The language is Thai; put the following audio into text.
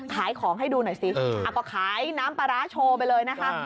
ขายของให้ดูหน่อยสิก็ขายน้ำปลาร้าโชว์ไปเลยนะคะ